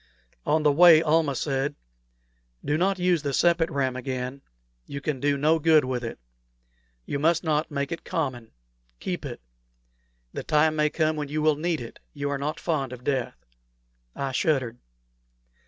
On the way, Almah said, "Do not use the sepet ram again. You can do no good with it. You must not make it common. Keep it. The time may come when you will need it: you are not fond of death." I shuddered.